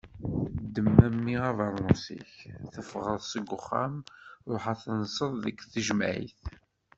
Ddem a mmi abernus-ik tefɣeḍ seg uxxam! Ruḥ ad tenseḍ deg tejmeɛt.